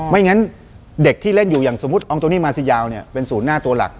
ไม่งั้นเด็กที่เล่นอยู่อย่างสมมุติอองโตนี่มาซียาวเนี่ยเป็นศูนย์หน้าตัวหลัก